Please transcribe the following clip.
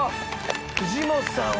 藤本さんを。